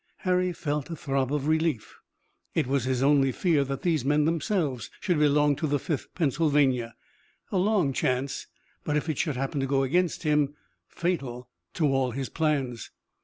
Harry felt a throb of relief. It was his only fear that these men themselves should belong to the Fifth Pennsylvania, a long chance, but if it should happen to go against him, fatal to all his plans.